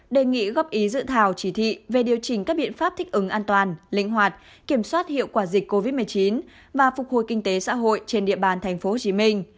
đề nghị góp ý dự thảo chỉ thị về điều chỉnh các biện pháp thích ứng an toàn linh hoạt kiểm soát hiệu quả dịch covid một mươi chín và phục hồi kinh tế xã hội trên địa bàn tp hcm